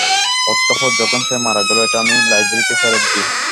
অতঃপর যখন সে মারা গেল, এটা আমি লাইব্রেরিতে ফেরত দিই।